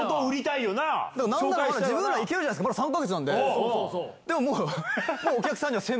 自分ら行けるじゃないですかまだ３か月なんで。